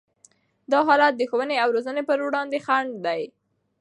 دا حالت د ښوونې او روزنې پر وړاندې خنډ دی.